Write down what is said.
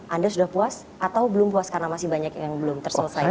anda sudah puas atau belum puas karena masih banyak yang belum terselesaikan